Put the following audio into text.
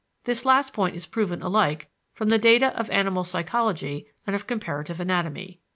This last point is proven alike from the data of animal psychology and of comparative anatomy.